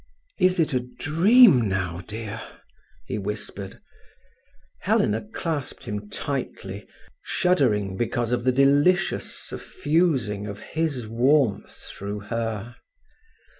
"Is it a dream now, dear?" he whispered. Helena clasped him tightly, shuddering because of the delicious suffusing of his warmth through her.